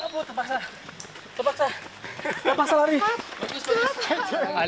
di sini terpaksa terpaksa terpaksa lari